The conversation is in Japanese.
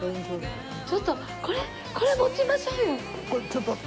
ちょっとこれこれ持ちましょうよ。